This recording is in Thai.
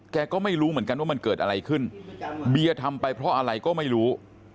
แกก็ไม่รู้เหมือนกันว่ามันเกิดอะไรขึ้นเบียร์ทำไปเพราะอะไรก็ไม่รู้